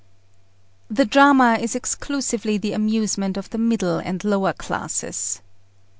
The drama is exclusively the amusement of the middle and lower classes.